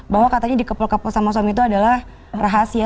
bahwa katanya di kepel kepel sama suami itu adalah rahasia